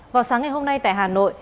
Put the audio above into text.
vào sáng ngày hôm nay tại hà nội